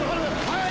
はい！